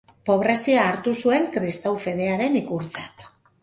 Pobrezia hartu zuen kristau-fedearen ikurtzat.